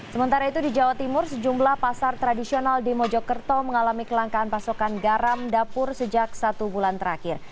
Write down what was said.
sementara itu di jawa timur sejumlah pasar tradisional di mojokerto mengalami kelangkaan pasokan garam dapur sejak satu bulan terakhir